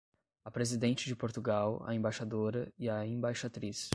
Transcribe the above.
A presidente de Portugal, a embaixadora e a embaixatriz.